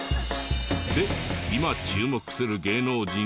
で今注目する芸能人はやはり。